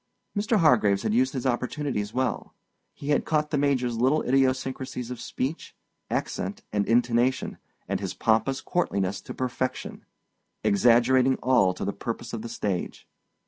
Mr. Hargraves had used his opportunities well. He had caught the Major's little idiosyncrasies of speech, accent, and intonation and his pompous courtliness to perfection—exaggerating all to the purpose of the stage.